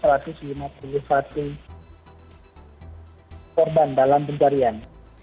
satu ratus lima puluh satu korban dalam pencarian